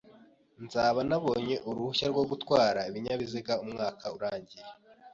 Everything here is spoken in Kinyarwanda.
Nzaba nabonye uruhushya rwo gutwara ibinyabiziga umwaka urangiye.